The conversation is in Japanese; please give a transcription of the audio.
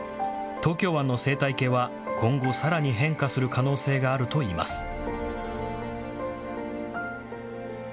東京湾の生態系は今後さらに変化する可能性があるといいます。